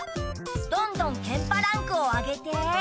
どんどんケンパランクを上げて。